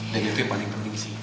dan itu yang paling penting sih